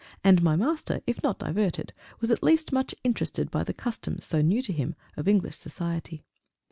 And my Master, if not diverted, was at least much interested by the customs, so new to him, of English Society.